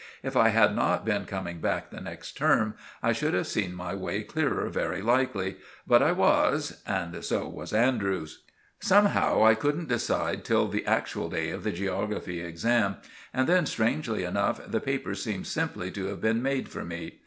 If I had not been coming back the next term, I should have seen my way clearer very likely; but I was; and so was Andrews. Somehow I couldn't decide till the actual day of the geography exam., and then, strangely enough, the paper seemed simply to have been made for me.